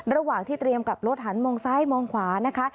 ระหว่างที่เตรียมกลับรถหันมองซ้ายมองขวานะคะ